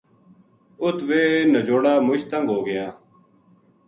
اُت ویہ ننجوڑا مُچ تنگ ہو گیا